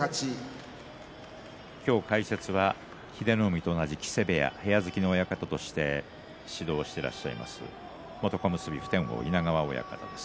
今日、解説は英乃海と同じ木瀬部屋の部屋付きの親方として指導してらっしゃる元小結普天王の稲川親方です。